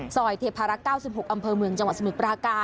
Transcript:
ซอยเทพาระ๙๖อำเภอเมืองจังหวัดสมิกประหาการ